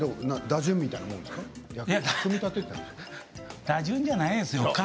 打順みたいなものですか？